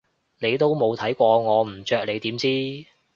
你都冇睇過我唔着你點知？